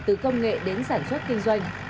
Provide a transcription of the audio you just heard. từ công nghệ đến sản xuất kinh doanh